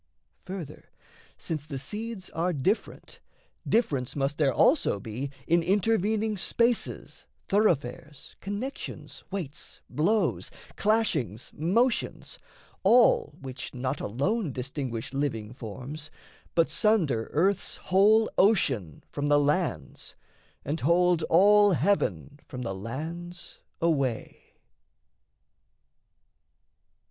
Further, since the seeds Are different, difference must there also be In intervening spaces, thoroughfares, Connections, weights, blows, clashings, motions, all Which not alone distinguish living forms, But sunder earth's whole ocean from the lands, And hold all heaven from the lands away.